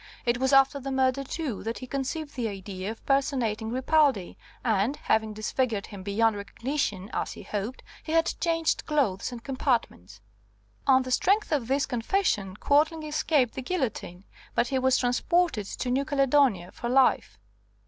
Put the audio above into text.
It was after the murder, too, that he conceived the idea of personating Ripaldi, and, having disfigured him beyond recognition, as he hoped, he had changed clothes and compartments. On the strength of this confession Quadling escaped the guillotine, but he was transported to New Caledonia for life.